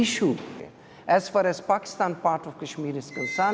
sebagai bagian dari bagian dari pakistan